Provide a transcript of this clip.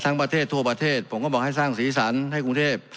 ทั้งประเทศทั่วประเทศผมก็บอกให้สร้างศรีษรรรค์ให้กรุงเทพฯ